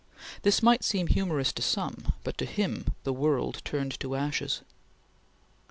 This might seem humorous to some, but to him the world turned to ashes.